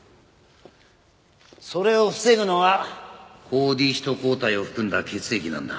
それを防ぐのが抗Ｄヒト抗体を含んだ血液なんだ。